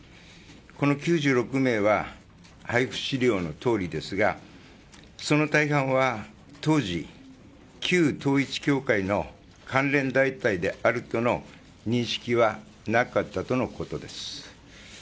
この９６名は配布資料のとおりですがその大半は当時、旧統一教会の関連団体であるとの認識はなかったとのことです。